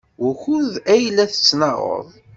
Wukud ay la tettnaɣeḍ?